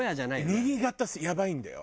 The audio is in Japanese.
新潟やばいんだよ。